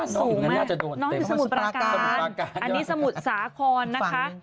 สูงมากน้องอยู่สมุทรประการอันนี้สมุทรสาครนะคะ